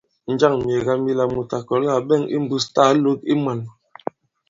Njâŋ myèga mila mùt à kɔ̀la à ɓɛŋ imbūs tâ ǎ lōk i mwān ?